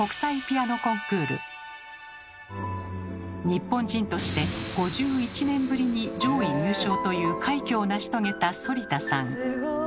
日本人として５１年ぶりに上位入賞という快挙を成し遂げた反田さん。